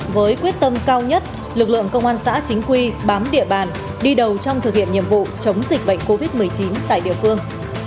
với quyết tâm cao nhất lực lượng công an xã chính quy bám địa bàn đi đầu trong thực hiện nhiệm vụ chống dịch bệnh covid một mươi chín tại địa phương